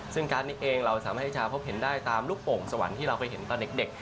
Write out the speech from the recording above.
ซึ่งการ์ดนี้เองเราสามารถที่จะพบเห็นได้ตามลูกโป่งสวรรค์ที่เราเคยเห็นตอนเด็ก